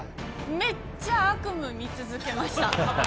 めっちゃ悪夢見ました。